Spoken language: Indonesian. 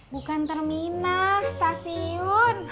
bukan terminal stasiun